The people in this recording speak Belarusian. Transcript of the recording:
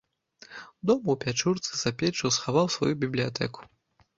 Дома ў пячурцы за печчу схаваў сваю бібліятэку.